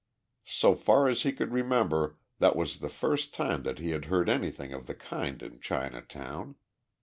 So far as he could remember that was the first time that he had heard anything of the kind in Chinatown.